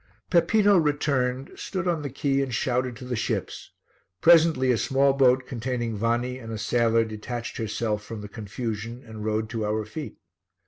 Peppino returned, stood on the quay and shouted to the ships; presently a small boat containing Vanni and a sailor detached herself from the confusion and rowed to our feet.